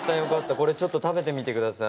これちょっと食べてみてください。